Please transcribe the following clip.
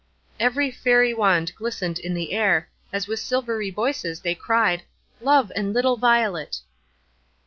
Every fairy wand glistened in the air, as with silvery voices they cried, "Love and little Violet."